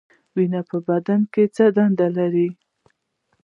وینه په بدن کې څه دنده لري؟